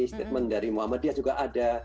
statement dari muhammad yang juga ada